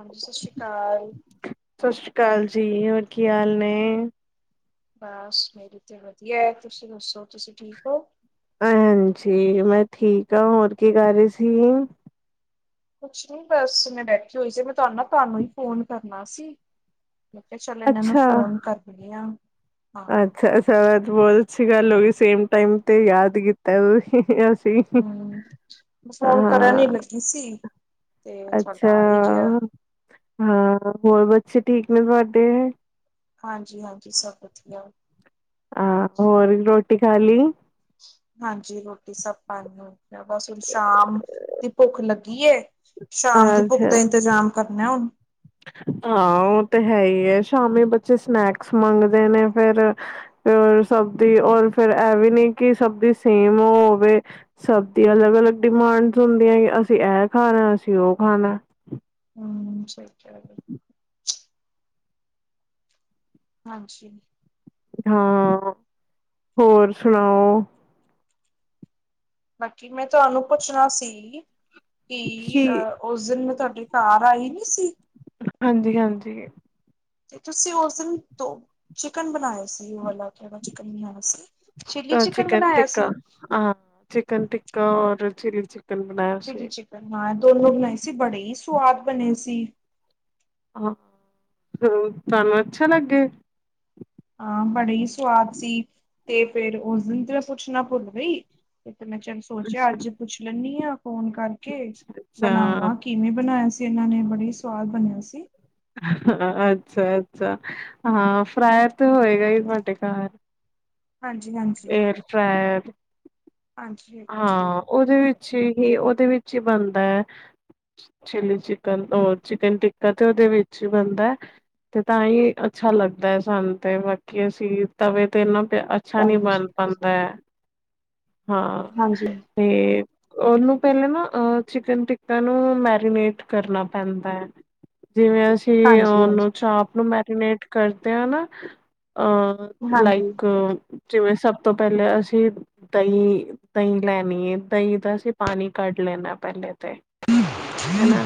ਹਾਂਜੀ ਸ਼ਤਿ ਸ੍ਰੀ ਕਾਲ ਸਤਿ ਸ੍ਰੀ ਅਕਾਲ ਜੀ ਹੋਰ ਕੀ ਹਾਲ ਨੇ ਬਸ ਮੇਰੀ ਤੇ ਵਧੀਆ ਐ ਤੁਸੀਂ ਦੱਸੋ ਤੁਸੀਂ ਠੀਕ ਹੋ। ਹਾਂਜੀ ਮੈਂ ਠੀਕ ਹਾ ਹੋਰ ਕੀ ਕਰ ਰੇ ਸੀ ਕੁਛ ਨੀ ਬਸ ਮੈਂ ਬੈਠੀ ਹੋਈ ਸੀ ਮੈਂ ਤੁਹਾਡੇ ਨਾ ਤੁਹਾਨੂੰ ਹੀ ਫੋਨ ਕਰਨਾ ਸੀ ਮੈਂ ਕਿਆ ਚਲ ਇਹਨਾਂ ਨੂੰ ਅੱਛਾ। ਫੋਨ ਕਰਣੀ ਆ। ਹਾਂ ਅੱਛਾ ਸਾਰਾ ਤੇ ਬਹੁਤ ਅੱਛੀ ਗੱਲ ਹੋ ਗਈ ਸੇਮ ਟਾਇਮ ਤੇ ਯਾਦ ਕੀਤਾ ਅਸੀਂ। ਹੂੰ ਫੋਨ ਕਰਨ ਹਾਂ, ਹੀ ਲੱਗੀ ਸੀ ਤੇ ਅੱਛਾ ਤੁਹਾਡਾ ਆ ਹੀ ਗਿਆ ਹਾਂ ਹੋਰ ਬੱਚੇ ਠੀਕ ਨੇ ਤੁਹਾਡੇ ਹਾਂਜੀ, ਹਾਂਜੀ ਸਭ ਵਧੀਆ ਆ ਹੋਰ ਰੋਟੀ ਖਾ ਲਈ ਹਾਂਜੀ ਰੋਟੀ ਸਭ ਪਾਣੀ ਹੋਗਆ ਬਸ ਹੁਣ ਸ਼ਾਮ ਦੀ ਭੁੱਖ ਲੱਗੀ ਏ ਸ਼ਾਮ ਦੀ ਭੁੱਖ ਦਾ ਅੱਛਾ, ਇੰਤਜ਼ਾਮ ਕਰਨਾ ਹੁਣ ਹਾਂ ਉਹ ਤੇ ਹੈ ਹੀ ਹੀ ਐ ਸ਼ਾਮੀ ਬੱਚੇ ਸਨੈਕਸ ਮੰਗਦੇ ਨੇ ਫੇਰ ਸਬਜੀ਼ ਔਰ ਫੇਰ ਇਹ ਵੀ ਨੀ ਕਿ ਸਬਜ਼ ਸੇਮ ਹੋਵੇ ਸਬ ਦੀ ਅਲਗ-ਅਲਗ ਡਿਮਾਂਡਸ ਹੁੰਦੀਆਂ ਕਿ ਅਸੀਂ ਐ ਖਾਣਾ ਅਸੀਂ ਔ ਖਾਣਾ ਸਕ [inaudible] ਹਾਂਜੀ ਹਾਂ ਹੋਰ ਸੁਣਾਓ? ਬਾਕੀ ਮੈਂ ਤੁਹਾਨੂੰ ਪੁੱਛਣਾ ਸੀ? ਕਿ ਕੀ ਅ ਉਸ ਦਿਨ ਮੈਂ ਤੁਹਾਡਾ ਏ ਘਰ ਆਈ ਨੀ ਸੀ। ਹਾਂਜੀ, ਹਾਂਜੀ ਤੇ ਤੁਸੀਂ ਉਸ ਦਿਨ ਦੋ ਚਿਕਨ ਬਣਾਏ ਸੀ, ਵਾਲਾ ਕਿਹੜਾ ਚਿਕਨ ਸੀ ਚਿੱਲੀ ਅ ਚਿਕਨ ਬਣਾਇਆ ਟਿੱਕਾ ਸੀ ਅ ਚਿਕਨ ਟਿੱਕਾ ਔਰ ਚਿਲੀ ਚ ਚਲੀ ਚਿਕਨ ਹਾ ਦੋਨੋ ਬਣਾਏ ਸੀ ਬੜੇ ਹੀ ਸਵਾਦ ਬਣੇ ਸੀ। ਹ ਤੁਹਾਨੂੰ ਅੱਛਾ ਲੱਗੇ, ਹਾਂ ਬੜੇ ਹੀ ਸਵਾਦ ਸੀ ਤੇ ਫੇਰ ਉਸ ਦਿਨ ਤੇ ਪੁੱਛਣਾ ਭੁੱਲ ਗਈ ਤੇ ਮੈਂ ਚਲ ਸੋਚਿਆ ਅੱਛਾ ਅੱਜ ਪੁੱਛ ਲੈਨੀ ਆ ਫੋਨ ਕਰਕੇ ਬਣਾਵਾਂ ਕਿਵੇਂ ਬਣਾਇਆ ਸੀ ਇਹਨਾਂ ਨੇ ਬੜੇ ਈ ਸਵਾਦ ਬਣਿਆ ਸੀ ਅੱਛਾ, ਅੱਛਾ ਹਾਂ ਫਰੇਾਅਰ ਤੇ ਹੋਏਗਾ ਹੀ ਤੁਹਾਡੇ ਘਰ ਹਾਂਜੀ ਹਾਂਜੀ ਏਅਰ ਫੈਰਾਇਰ ਹਾਂਜੀ ਹਾਂਜੀ ਹਾਂ ਉਹਦੇ ਵਿੱਚ ਹੀ ਉਹਦੇ ਵਿੱਚ ਹੀ ਬਣਦਾ ਹੈ ਚਿੱਲੀ ਚਿਕਨ ਤੋ ਚਿਕਨ ਟਿੱਕਾ ਤੇ ਉਹਦੇ ਵਿੱਚ ਬਣਦਾ ਤੇ ਤਾਂ ਹੀ ਅੱਛਾ ਲੱਗਦਾ ਹੈ ਸਾਨੰ ਤੇ ਬਾਕੀ ਅਸੀਂ ਤਵੇ ਤੇ ਨਾ ਅੱਛਾ ਨੀ ਬਣ ਪਾਦਾ ਐ, ਹਾਂ ਹਾਂਜੀ ਤੇ ਉਹਨੂੰ, ਪਹਿਲਾਂ ਨਾ ਅ ਚਿਕਨ ਟਿੱਕਟਾ ਨੂੰ ਮੈਰੀਨੇਟ ਕਰਨਾ ਪੈਂਦਾ ਹੈ ਜਿਵੇਂ, ਹਾਂਜੀ ਉਹਨੂੰ ਚਾਪ ਨੂੰ ਮੈਰੀਨੇਟ ਕਰਦੇ ਆ ਹਨਾ। ਹਾਂਜੀ ਲਾਈਕ ਜਿਵੇਂ ਸਭ ਤੋਂ ਪਹਿਲਾਂ ਅਸੀਂ ਦਹੀਂ ਦਹੀਂ ਲੈਣੀ ਹੈਏ ਦਹੀਂ ਦਾ ਅਸੀਂ ਪਾਣੀ ਕੱਢ, ਕਹਿੰਦਾ ਪਹਿਲੇ ਤੇ ਹੈਨਾ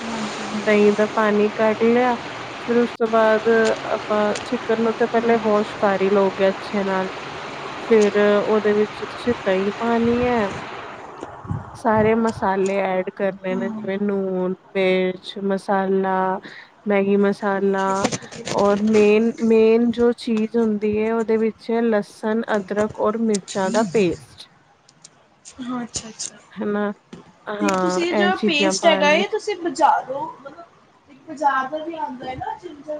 ਹਾਂ ਦ ਪਾਨੀ ਕੱਢ ਲਿਆ ਫਿਰ ਉਸ ਤੋਂ ਬਾਅਦ ਆਪਾਂ ਚਿੱਤਰ ਨੂੰ ਤਾਂ ਪਹਿਲੇ ਬੋਛ ਕਰ ਹੀ ਲਓਗੇ ਅੱਛੇ ਨਾਲ, ਫਿਰ ਉਹਦੇ ਵਿੱਚ ਤੁਸੀਂ ਦਹੀ ਪਾਨੀ ਐ, ਸਾਰੇ ਮਸਾਲੇ ਐਡ, ਫਿਰ ਕਹਿੰਦੇ ਨੁਣ ਤੇ ਮਿਰਚ ਮਸਾਲਾ, ਠੀਕ ਸਾਲਾ ਹੈ ਠੀਕ ਹੈ ਔਰ ਮੇਨ, ਮੇਨ ਜੋ ਚੀਜ਼ ਹੁੰਦੀ ਐ ਉਹਦੇ ਵਿੱਚ ਲਸਣ ਅਦਰਕ, ਔਰ ਮਿਰਚਾਂ ਦਾ ਪੇਸਟ ਅੱਛਾ-ਅੱਛਾ ਹਨਾ ਤੇ ਹਾਂ ਤੁਸੀਂ ਇਹ ਜੋ ਚੀਜ਼ਾਂ ਪੇਸਟ ਹੈਗਾ ਪਾਣੇ ਤੁਸੀਂ ਬਜਾਰੋ ਪੁਜਾਰ ਦਾ ਵੀ ਆਦਾ ਨਾ,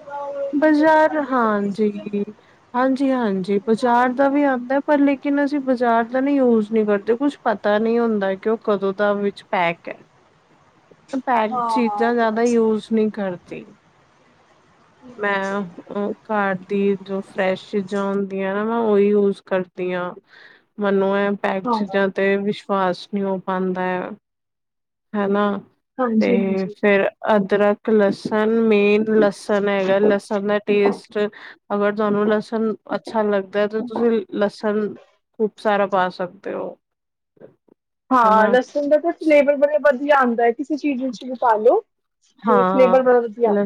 ਦਾ ਔਰ ਜਿੰਜਰ ਦਾ ਗਾਰਲਿਕ ਦਾ ਪੇਸਟ ਤੁਸੀਂ ਹਾਂਜੀ-ਹਾਂਜੀ-ਹਾਂਜੀ ਪੁਜਾਰ ਬਜ਼ਾਰੋਂ ਦਾ ਵੀ ਆਦਾ ਪਰ ਲਿਖ ਕਿੰਨਾ ਸੀ ਬਾਜ਼ਾਰ ਦਾ ਨਹੀਂ ਯੂਜ ਨਹੀਂ ਕਰਦੇ ਕੁਝ ਪਤਾ ਨਹੀਂ ਹੁੰਦਾ ਕਿ ਉਹ ਕਦੋਂ ਦਾ ਵਿੱਚ ਪੈਕ ਐ, ਪੈਰ ਹਾਂ ਹਾਂ ਇਹ ਚੀਜ਼ਾਂ ਤੇ ਜਿਆਦਾ ਗੱਲ ਸਹੀ ਯੂਜ ਨਹੀਂ ਕਰਦੀ। ਹਮ ਮੈਂ ਸਹੀ ਹੈ ਘਰ ਦੀ ਜੋ ਫਰੈਸ਼ ਆਦੀ, ਮੈਮ ਉਹੀ ਯੂਜ ਕਰਦੀ ਆਂ ਮੈਨੂੰ ਐ ਪੈਕ ਹਾਂ ਚੀਜ਼ਾਂ ਤੇ, ਫਾਸਟ ਨਿਊ ਪਾਂਦਾ ਹੈਨਾ ਤੇ ਹਾਂਜੀ ਹਾਂਜੀ ਫਿਰ, ਕਲਸ ਮੇਨ ਲਸਣ ਹੈਗਾ ਲਸਣ ਦਾ ਟੇਸਟ ਅਗਰ ਤੁਹਾਨੂੰ ਲਸ ਅੱਛਾ, ਲੱਗਦਾ ਤੇ ਤੁਸੀਂ ਲਸਣ ਸਾਰਾ ਪਾ ਸਕਦੇ ਹੋ। ਹਾਂ ਹਨਾ ਲਸਣ ਦਾ ਤੇ ਲੇਵਲ ਵਧੀਆ ਆਉਦੇ ਨੇ, ਕਿਸੇ ਚੀਜ਼ ਵਿੱਚ ਵੀ ਪਾ ਲੋ ਤੇ ਫਲੇਬਲ ਬਹੁਤ ਵਧੀਆ,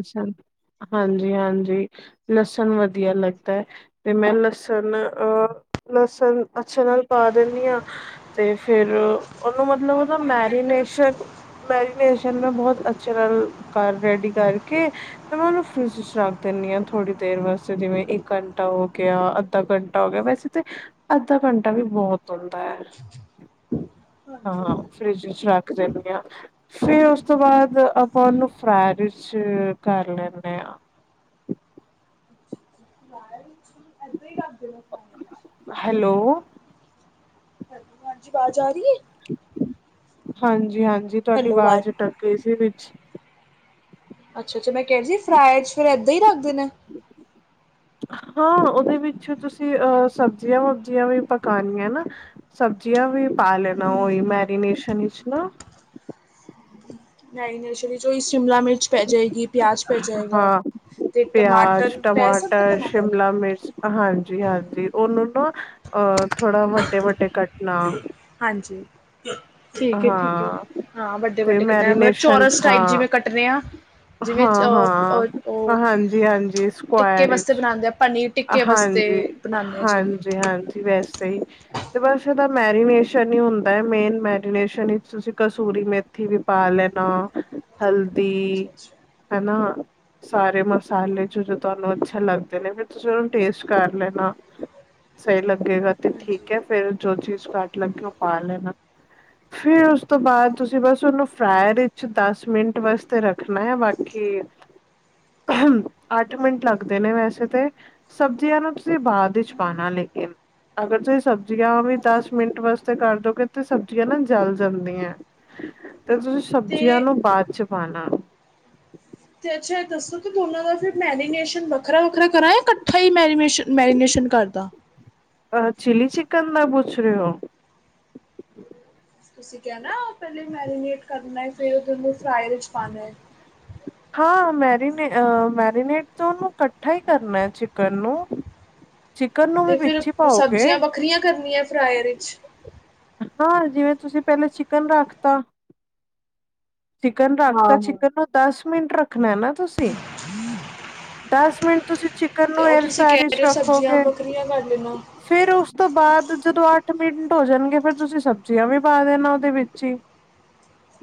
ਹਾਂਜੀ-ਹਾਂਜੀ, ਲਸਣ ਵਧੀਆ ਲੱਗਦਾ ਤੇ ਮੈਂ ਲਸਣ ਅੱਛੇ ਨਾਲ ਦਦੀ ਆ ਤੇ ਫਿਰ ਉਹਨੂੰ ਮਤਲਬ ਮੈਰੀਨੇਸ਼ਨ ਸਰ ਮੈਂ ਬਹੁਤ ਅੱਛਾ ਕਾਰ ਰੈਡੀ ਕਰਕੇ ਸ਼ਰਾਬ ਦਿੰਦੀ ਆ ਥੋੜੀ ਦੇਰ ਵਾਸਤੇ ਜਿਵੇਂ ਇੱਕ ਘੰਟਾ ਹੋ ਗਿਆ ਅੱਧਾ ਘੰਟਾ ਹੋ ਗਿਆ ਵੈਸੇ ਤੇ ਅੱਧਾ ਘੰਟਾ ਵੀ ਉਹ ਤੁਰਦਾ ਸੇ ਉਸ ਤੋਂ ਬਾਅਦ ਆਪਾਂ ਉਹਨੂੰ ਫਰੈਡਸ ਕਰ ਲੈਦੇ ਆਂ ਕੁੱਛ ਨਹੀਂ ਆਉਂਦਾ ਏਦਾਂ ਹੀ ਰੱਖ ਦੇਣਾ ਫਰਾਈ ਵਿੱਚ ਹੈਲੋ ਜੀ ਆਵਾਜ਼ ਆ ਰਹੀ ਹ ਹਾਂਜੀ ਹਾਂਜੀ ਤੁਹਾਡੀ ਆਵਾਜ਼ ਟਕ ਇਸੇ ਵਿੱਚ ਅੱਛਾ ਜੇ ਮੈਂ ਕਿਹਾ ਜੀ ਫਰਾਈਜ ਫਿਰ ਇਦਾ ਹੀ ਰੱਖ ਦੇਣਾ ਹਾਂ ਉਹਦੇ ਵਿੱਚ ਤੁਸੀਂ ਸਬਜ਼ੀਆਂ ਸਬਜੀਆਂ ਵੀ ਪਕਾਣੀਆਂ ਨਾ ਜੀਆ ਵੀ ਪਾ ਲੈਣਾ ਮੈਰੀਨੇਸ਼ਨ ਨੈਗਟਿਵ ਸਟਿਮਲਾ ਮਿਰਚ ਪੈ ਜਾਏਗੀ ਪਿਆਜ ਪੈ ਜਾਏਗਾ। ਹਾਂ ਪਿਆਜ ਟਮਾਟਰ ਸ਼ਿਮਲਾ ਮਿਰਚ ਹਾਂਜੀ-ਹਾਂਜੀ, ਥੋੜਾ ਵੱਡੇ-ਵੱਡੇ ਕਟਨਾ ਹਾਂਜੀ ਠੀਕ ਹੈ ਠੀਕ ਹੈ ਹਾਂ ਹਾਂ ਵੱਡੇ ਤੇ ਵੱਡੇ ਕੱਟਣੇ ਮਤਲਬ ਮੈਰੀਨੇਸ਼ਨ ਚੌਰਸ ਟਾਈਪ ਹਾਂ, ਜਿਵੇਂ ਕੱਟਣੇ ਆ ਜਿਵੇਂ ਚ- ਅ ਅ ਉਹ ਹਾਂ-ਹਾਂ ਹਾਂਜੀ-ਹਾਂਜੀ ਟਿੱਕੇ ਸਕਰ ਵਾਸਤੇ ਬਣਾਉਂਦੇ ਆ ਪਨੀਰ ਟਿੱਕੇ ਵਾਸਤੇ ਬਣਾਉਂਦੇ ਆ ਜਿਵੇਂ ਹਾਂਜੀ-ਹਾਂਜੀ ਵੈਸੇ, ਬਸ ਐਦਾ ਮੈਰੀਨੇਸ਼ਨ ਨਹੀਂ ਹੁੰਦਾ ਮੇਨ ਮੈਡੀਸਨ ਤੁਸੀਂ ਕਸੂਰੀ ਮੇਥੀ, ਵੀ ਪਾ ਲੈਨਾ ਤੇ ਪਹਿਲਾਂ ਸਾਰੇ ਮਸਾਲੇ ਚ ਤੁਹਾਨੂੰ ਅੱਛਾ ਲੱਗਦੇ ਨੇ ਟੇਸਟ ਕਰ ਲੈਣਾ ਸਹੀ ਲੱਗੇਗਾ ਤੇ ਠੀਕ ਹੈ ਫੇਰ ਜੋ ਚੀਜ਼ ਘੱਟ ਲੱਗੀ ਉਹ ਪਾ ਲੈਣਾ ਫਿਰ ਉਸ ਤੋਂ ਬਾਅਦ ਤੁਸੀਂ ਬਸ ਉਹਨੂੰ ਫਰਾਇਰ ਵਿੱਚ ਦਸ ਮਿੰਟ ਵਾਸਤੇ ਰੱਖਣਾ ਆ ਬਾਕੀ ਅੱਠ ਮਿੰਟ ਲੱਗਦੇ ਨੇ ਵੈਸੇ ਤੇ ਸਬਜ਼ੀਆਂ ਅ ਰਭ ਦੇ ਬਾਅਦ ਚ ਪਾਨਾ ਲੇਕ ਅਗਰ ਤੁਸੀਂ ਸਬਜ਼ੀਆਂ ਵੀ ਦਸ ਮਿੰਟ ਵਾਸਤੇ ਕਰ ਦੋਗੇ ਤੇ ਸਬਜ਼ੀਆਂ ਨਾ ਜਲ ਜਾਂਦੀਆਂ ਤੇ ਤੁਸੀਂ ਸਬਜ਼ੀਆਂ ਤੇ ਨੂੰ ਬਾਅਦ ਚ ਪਾਉਣਾ ਤੇ ਅੱਛਾ ਦੱਸੋ ਕਿ ਦੋਨਾਂ ਦਾ ਫਿਰ ਮੈਰੀਨੇਸ਼ਨ ਵੱਖਰਾ ਵੱਖਰਾ ਕਰਾਂ ਇਕੱਠਾ ਹੀ ਮੈਰੀਨੇ ਮੈਰੀਨੇਸ਼ਨ ਕਰਦਾ ਅਹ ਚਲੀ ਚਿਕਨ ਦਾ ਪੁੱਛ ਰਹੇ ਹੋ ਤੁਸੀਂ ਕਹਿਣਾ ਪਹਿਲੇਾਂ ਮੈਰੀਨੇਟ ਕਰਨਾ ਹੈ ਫਿਰ ਉਹਹਨੂੰ ਫਰਾਈ ਵਿੱਚ ਪਾਉਣਾ ਹੈ ਹਾਂ ਮੈਰੀਨੇ ਮੈਰੀਨੇਟ ਤੋਂ ਉਹਨੂੰ ਇਕੱਠਾ ਹੀ ਕਰਨਾ ਹੈ ਚਿਕਨ ਨੂੰ ਚਿਕਨ ਨੂੰ ਵੀ ਤੇ ਫਿਰ ਵਿੱਚ ਹੀ ਪਾਓਗੇ ਸਬਜ਼ੀਆਂ ਵੱਖਰੀਆਂ ਕਰਨੀਆਂ ਫਰਾਏਰ ਵਿੱਚ ਹਾਂ ਜਿਵੇਂ ਤੁਸੀਂ ਪਹਿਲਾਂ ਚਿਕਨ ਰੱਖਤਾ ਚਿਕਨ ਰੱਖਤਾ ਹਾਂ-ਹਾਂ। ਚਿਕਨ ਨੂੰ ਦਸ ਮਿੰਟ ਰੱਖਣਾ ਨਾ ਤੁਸੀਂ ਦਸ ਮਿੰਟ ਤੁਸੀਂ ਚਿਕਨ ਤੇ ਨੂੰ ਔਰ ਤੁਸੀਂ ਕਹਿ ਐਲਫੈਰਿਸ਼ ਰਹੇ ਹੋ ਸਬਜ਼ੀਆਂ ਰੱਖੋਗੇ ਵੱਖਰੀਆਂ ਕਰ ਲੈਣਾ। ਫੇਿਰ ਉਸ ਤੋਂ ਬਾਅਦ ਜਦੋਂ ਅੱਠ ਮਿੰਟ ਹੋ ਜਾਣਗੇ ਫੇਿਰ ਤੁਸੀਂ ਸਬਜ਼ੀਆਂ ਵੀ ਪਾ ਦੇਣਾ ਉਹਦੇ ਵਿੱਚ ਹੀ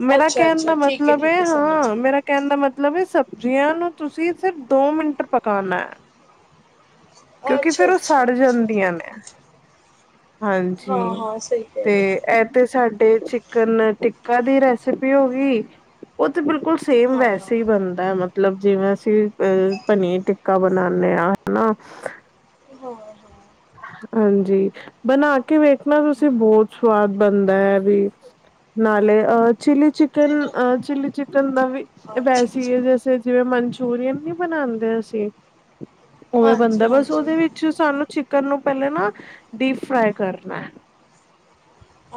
ਮੇਰਾ ਕਹਿਣ ਅੱਛਾ-ਅੱਛਾ ਦਾ ਠੀਕ ਹੈ ਮਤਲਬ ਠੀਕ ਹੈਏ ਹੈ ਸਮਝ ਹਾਂ ਗਈ। ਮੇਰਾ ਕਹਿਣ ਦਾ ਮਤਲਬ ਹੈ ਸਭ ਜੀਆਂ ਨੂੰ ਤੁਸੀਂ ਸਿਰਫ ਦੋ ਮਿੰਟ ਪਕਾਉਣਾ ਹੈ ਅੱਛਾ-ਅੱਛਾ ਕਿਉਂਕਿ ਫੇਿਰ ਉਹ ਅੱਛਾ ਸੜ ਅੱਛਾ ਠੀਕ ਜਾਂਦੀਆਂ ਹੈ। ਨੇ ਹਾਂਜੀ ਹਾਂ-ਹਾਂ ਸਹੀ ਕਹਿ ਤੇ ਰਹੇ ਹੋ। ਇ ਤੇ ਸਾ ਸਾਡੇ ਚਿਕਨ ਟਿੱਕਾ ਦੀ ਰੈਸਪੀ ਹੋ ਗਈ ਉਹ ਤੇ ਬਿਲਕੁਲ ਸੇਮ ਹਾਂ-ਹਾਂ, ਵੈਸੇ ਹੀ ਬਣਦਾ ਮਤਲਬ ਮਤਲਬ ਜਿਵੇਂ ਅਸੀਂ ਅਹ ਪਨੀਰ ਟਿੱਕਾ ਬਣਾਦੇ ਹਾਂ ਹਨਾ ਹਾਂ ਹਾਂ ਹਾਂਜੀ ਬਣਾ ਕੇ ਵੇਖਣਾ ਤੁਸੀਂ ਬਹੁਤ ਸਵਾਦ ਬਣਦਾ ਹੈ ਵੀ ਨਾਲੇ ਅਹ ਚਿਲੀ ਤੇ ਚਿਕਨ ਤੂੰ ਅ ਚਿਲੀ ਚਿਕਨ ਦਾ ਵੀ ਵੈਸ ਹੈ ਜੈਸੇ ਜਿਵੇਂ ਮੰ ਮਨਚੂਰੀਅਨ ਨੀ ਬਣਾਉਂਦੇ ਅਸੀਂ ਉਵੇ ਬੰਦਾ ਬਸ ਹਾਂਜੀ-ਹਾਂਜੀ ਉਹਦੇ ਵਿੱਚ ਸਾਨੂੰ ਚਿ ਕਰਨ ਨੂੰ ਪਹਿਲਾਂ ਨਾ ਡੀਪ ਫਰਾਈ ਕਰਨਾ।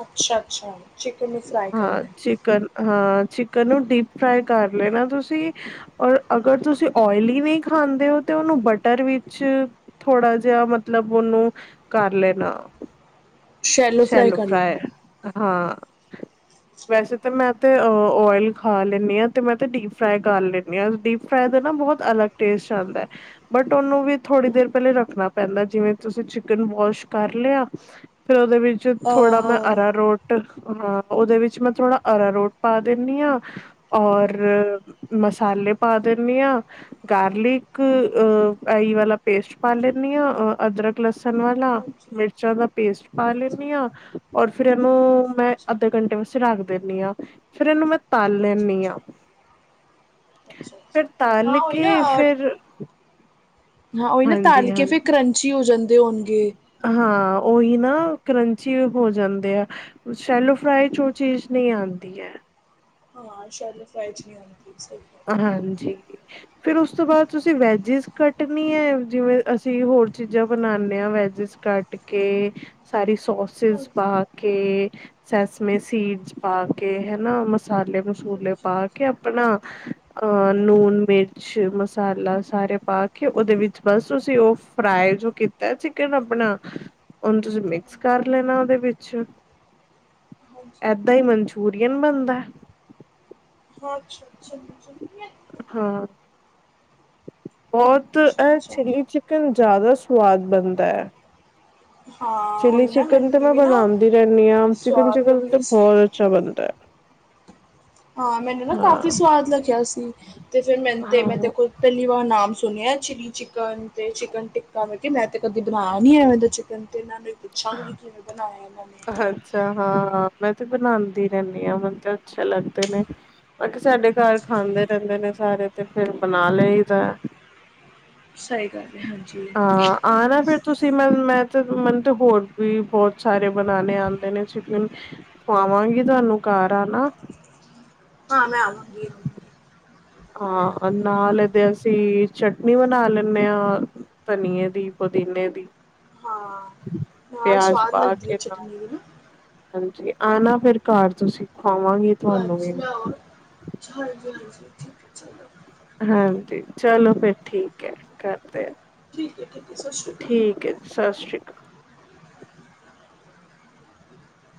ਅੱਛਾ-ਅੱਛਾ। ਚਿਕਨ ਨੂੰ ਫਰਾਈ ਹਾਂ, ਕਰਨਾ ਹੈ। ਚਿਕਨ ਹਾਂ ਚਿਕਨ ਨੂੰ ਡੀਪ ਫਰਾਈ ਕਰ ਲੈਣਾ ਤੁਸੀਂ ਔਰ ਅਗਰ ਤੁਸੀਂ ਓਇਲੀ ਨਹੀਂ ਖਾ ਖਾਂਦੇ ਹੋ ਤੇ ਉਹਨੂੰ ਬਟਰ ਵਿੱਚ ਥੋੜਾ ਜਿਹਾ ਮਤਲਬ ਉਹਨੂੰ ਕਰ ਲੈਣਾ। [unintelligible] ਸ਼ੈਲੋ ਫਰਾਈ ਕਰ ਲੈਨਾ। ਹਾਂ। ਵੈਸੇ ਤਾਂ ਮੈਂ ਤੇ ਓਇਲ ਖਾ ਲੈਂਦੀ ਹਾਂ ਤੇ ਮੈਂ ਤੇ ਡੀਪ ਫਰਾਈ ਕਰ ਲੈਂਦੀ ਹਾਂ ਡੀਪ ਫ੍ਰ ਬਹੁਤ ਅਲੱਗ ਟੇਸਟ ਆਉਂਦਾ ਹੈ ਬਟ ਉਹਨੂੰ ਵੀ ਥੋੜੀ ਦੇਰ ਪਹਿਲੇ ਰੱਖਣਾ ਪੈਂਦਾ ਜਿਵੇਂ ਤੁਸੀਂ ਚਿਕਨ ਵਾਸ਼ ਕਰ ਲਿਆ ਫਿਰ ਉਹਦੇ ਵਿੱਚ ਥੋੜਾ ਆਹਾ ਮੈਂ ਅਰਾ ਰੋਟ ਹਾਂ ਉਹਦੇ ਵਿੱਚ ਮੈਂ ਥੋੜਾ ਅਰਾ ਰੋਟ ਪਾ ਦਿੰਦੀ ਹਾਂ ਔਰ ਮਸਾਲੇ ਪਾ ਦਿੰਦੀ ਹਾਂ ਗਾਰਲਿਕ ਅ ਆਈ ਵਾਲਾ ਪੇਸਟ ਪਾ ਲੈਂਦੀ ਹਾਂ ਅਦਰਕ ਲਸਣ ਵਾਲਾ ਮਿਰਚਾਂ ਦਾ ਪੇਸਟ ਪਾ ਹਾਂਜੀ-ਹਾਂਜੀ ਲੈਂਦੀ ਹਾਂ ਔਰ ਫੇਿਰ ਇਹਨੂੰ ਮੈਂ ਅੱਧੇ ਘੰਟੇ ਵਾਸਤੇ ਰੱਖ ਦਿੰਦੀ ਹਾਂ ਫੇਿਰ ਇਹਨੂੰ ਮੈਂ ਤਾਲੈਂ ਮੀਆਂ ਅੱਛਾ ਫਿਰ ਤਾਲ ਕੇ ਫਿਰ ਹਾਂ ਉਹੀ ਨਾ ਹਾਂਜੀ ਤਾਲ ਕੇ ਹਾਂ ਫੇਿਰ ਕਰੰਚੀ ਹੋ ਜਾਂਦੀ ਹਾਂ, ਉਹੀ ਨਾ ਕਰੰਚੀ ਹੋ ਜਾਂਦੇ ਆ ਸ਼ੈਲੋ ਫਰਾਈ ਚ ਉਹ ਚੀਜ਼ ਨਹੀਂ ਆਉਂਦੀ ਹੈ। ਸੈਲੋ ਫਰਾਾਈ ਨਹੀਂ ਆਂਦੀ। ਹਾਂਜੀ, ਫਿਰ ਉਸ ਤੋਂ ਬਾਅਦ ਤੁਸੀਂ ਵੈਜਿਸ ਕੱਟਣੀ ਹੈ ਜਿਵੇਂ ਅਸੀਂ ਹੋ ਹੋਰ ਚੀਜ਼ਾਂ ਬਣਾਦੇ ਹ ਵੈਜਿਸ ਕੱਟ ਕੇ ਸਾਰੀ ਸੋਸਿਸ ਪਾਕੇ ਸੈਸਮੇ ਸੀਡਸ ਪਾ ਕੇ ਹੈਨਾ, ਮਸਾਲੇ- ਮਸੂਲੇ ਪਾ ਕੇ ਆਪਣਾ [inaudible] ਅ ਲੂਣ, ਮਿਰਚ, ਮਸਾਲਾ ਸਾਰੇ ਪਾ ਕੇ ਉਹਦੇ ਵਿੱਚ ਬਸ ਤੁਸੀਂ ਉਹ ਫਰਾਈ ਜੋ ਕੀਤਾ ਚਿਕਨ ਆਪਣਾ ਉਹਨੂੰ ਤੁਸੀਂ ਮਿਕਸ ਕਰ ਲੈਣਾ ਉਹਦੇ ਵਿੱਚ। ਹਾਂਜੀ-ਹਾਂਜੀ। ਇਏਦਾਂ ਹੀ ਮਨਚੂਰੀਅਨ ਬਣਦਾ। ਹਾਂ, ਅੱਛਾ-ਅੱਛਾ ਜੀ ਹਾਂ। ਬਹੁਤ ਇਹ ਅੱਛਾ ਚਿੱਲੀ ਚਿਕਨ ਜ਼ਿਆਦਾ ਸਵਾਦ ਬਣਦਾ ਹੈ ਹਾਂ ਚਿਲੀ ਉਹੀ ਨਾ ਚਿਕਨ ਤੇ ਮੈਨੂੰ ਮੈਂ ਵੀ ਨਾ ਬਣਾਉਂਦੀ ਰਹਿੰਦੀ ਹਾਂ ਚਿਕਨ- ਸਵਾਦ ਚਿਕਨ ਲੱਗਿਆ ਤਾਂ ਸੀ ਬਹੁਤ ਅੱਛਾ ਬਣਦਾ ਹੈ ਹਾਂ, ਮੈਨੂੰ ਨਾ ਕਾਫ਼ੀ ਹਾਂ। ਸਵਾਦ ਲੱਗਿਆ ਸੀ ਤੇ ਫੇਿਰ ਮੈਨੂੰ ਤੇ ਮੈਂ ਹਾਂ ਖੁਦ ਪਹਿਲੀ ਵਾਰ ਨਾਮ ਸੁਣੇ ਸੁਨਿਆ ਚੀਲੀ ਚਿਕਨ ਤੇ ਚਿਕਨ ਟਿੱਕਕਾ ਮੈ ਕਿਹਾ ਮੈਤੇ ਕਦੀ ਬਣਾਇਆ ਏਵੇ ਦਾ ਚਿਕਨ ਤੇ ਪੁੱਛਾਗੀ ਕਿਵੇਂ ਬਣਾਇਆ? ਨੇ ਅੱਛਾ ਹਾਂ ਮੈਂ ਤੇ ਬਣਾਉਂਦੀ ਰਹਿੰਦੀ ਹਾਂ ਮੈਨੂੰ ਤੇ ਅੱਛੇ ਲੱਗਦੇ ਨੇ ਬਾਕੀ ਸਾਡੇ ਘਰ ਖਾਂਦੇ ਰਹਿੰਦੇ ਨੇ। ਸਾਰੇ ਤੇ ਫੇਰ ਬਣਾ ਲਈਦਾ। ਸਹੀ ਗੱਲ ਹੈ। ਹਾਂਜੀ ਹਾਂ, ਆਨਾ ਫਿਰ ਤੁਸੀਂ ਮ ਮੈਂਨ ਤੇ ਹੋਰ ਵੀ ਬਹੁਤ ਸਾਰੇ ਬਣਾਉਣੇ ਆਉਂਦੇ ਨੇ ਚਿਕਨ ਖਵਾਵਾਂਗੀ ਤੁਹਾਨੂੰ ਘਰ ਆਨਾ। ਹਾਂ ਮੈਂ ਆਵਾਂਗੀ। ਹਾਂ, ਨਾਲ ਇਹਦੇ ਅਸੀਂ ਚਟਨੀ ਬਣਾ ਲੈਂਦੇ ਹਾਂ ਧਨੀਏ ਦੀ ਪੁਦੀਨੇ ਦੀ। ਹਾਂ, ਨਾਲ ਪਿਆਜ ਸਵਾਦ ਪਾ ਲੱਗਦੀ ਹੈ ਕੇ ਨਾਲ ਚਟਨੀ ਵੀ ਨਾ। ਹਾਂਜੀ, ਆਣਾ ਫਿਰ ਘਰ ਤੁਸੀਂ। ਖਵਾਵਾਂਗੀ ਤੁਹਾਨੂੰ ਵੀ ਹਾਂਜੀ ਨਾ। ਮੈਂ ਹਾਂਜੀ-ਹਾਂਜੀ। ਠੀਕ ਹੈ ਠੀਕ। ਹਾਂਜੀ, ਚਲੋ ਫੇਿਰ ਠੀਕ ਹੈ ਕਰ ਠੀਕ ਹੈ ਠੀਕ ਹੈ ਸਤਿ ਸ਼੍ਰੀ ਅਕਾਲ ਠੀਕ ਹੈ। ਸਤਿ ਸ੍ਰੀ ਅਕਾਲ।